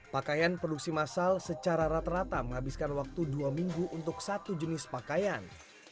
pakaian produksi massal secara rata rata menghabiskan waktu dua minggu untuk satu jenis pakaian